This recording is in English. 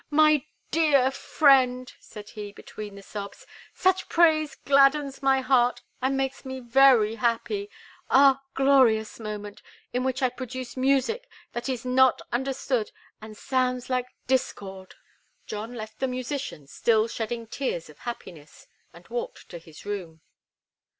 my dear friend!" said he, between the sobs. "Such praise gladdens my heart and makes me very happy! Ah! glorious moment, in which I produce music that is not understood and sounds like discord!" John left the musician still shedding tears of happiness, and walked to his room.